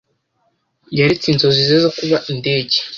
yaretse inzozi ze zo kuba indege.